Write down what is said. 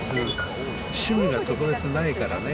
趣味が特別ないからね。